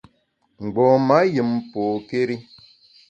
Mgbom-a yùm pôkéri.